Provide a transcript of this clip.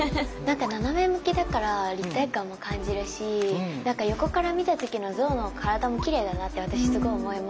何か斜め向きだから立体感も感じるし横から見た時の像の体もきれいだなって私すごい思いました